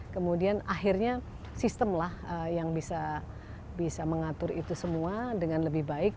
kemudian akhirnya sistem lah yang bisa mengatur itu semua dengan lebih baik